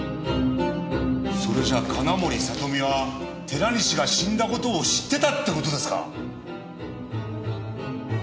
それじゃあ金森里美は寺西が死んだ事を知ってたって事ですか？